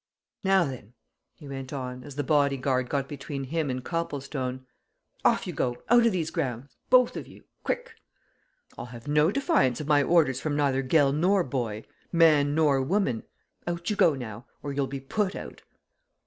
Now then!" he went on, as the bodyguard got between him and Copplestone, "off you go, out o' these grounds, both of you quick! I'll have no defiance of my orders from neither gel nor boy, man nor woman. Out you go, now or you'll be put out."